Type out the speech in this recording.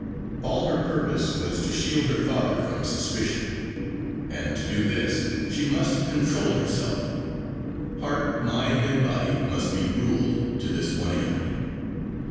All her purpose was to shield her father from suspicion. And to do this she must control herself heart, mind, and body must be ruled to this one end.